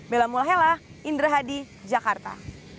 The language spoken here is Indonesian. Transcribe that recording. bella mulahela indra hadi jakarta